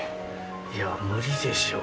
いや、無理でしょ。